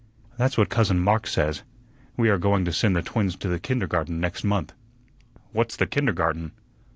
"That's what cousin Mark says. We are going to send the twins to the kindergarten next month." "What's the kindergarten?"